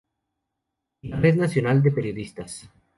Y la Red Nacional de Periodistas.